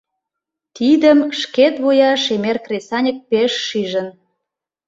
Тидым шкет вуя шемер кресаньык пеш шижын.